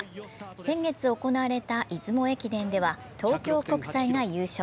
先月行われた出雲駅伝では東京国際が優勝。